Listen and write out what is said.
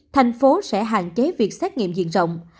thành phố sẽ hạn chế việc xét nghiệm diện rộng